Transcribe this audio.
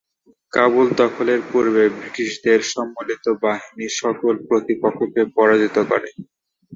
কাবুল দখলের পূর্বে ব্রিটিশদের সম্মিলিত বাহিনী সকল প্রতিপক্ষকে পরাজিত করে।